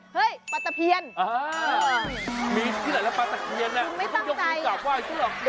เฮ้ยปลาตะเพียนอ้าวมีที่หลายแล้วปลาตะเคียน